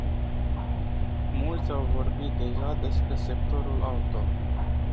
Mulți au vorbit deja despre sectorul auto.